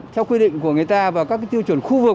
theo quy định của người ta và các tiêu chuẩn khu vực